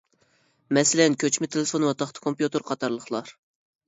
مەسىلەن، كۆچمە تېلېفون ۋە تاختا كومپيۇتېر قاتارلىقلار.